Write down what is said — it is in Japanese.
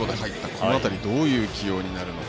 この辺りどういう起用になるのか。